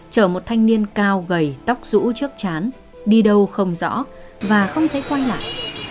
chờ một thanh niên cao gầy tóc rũ trước chán đi đâu không rõ khôngkeep khiến có thấy quay lại